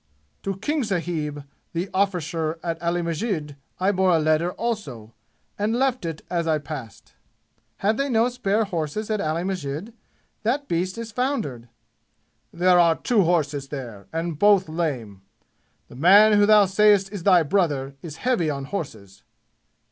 To King sahib, the arrficer at Ali Masjid I bore a letter also, and left it as I passed." "Had they no spare horse at Ali Masjid? That beast is foundered." "There are two horses there, and both lame. The man who thou sayest is thy brother is heavy on horses."